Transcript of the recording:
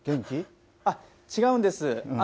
違うんです。